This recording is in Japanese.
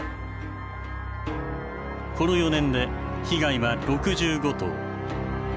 この４年で被害は６５頭。